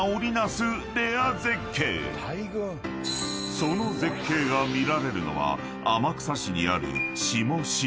［その絶景が見られるのは天草市にある］